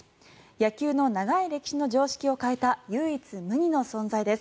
野球の長い歴史の常識を変えた唯一無二の存在です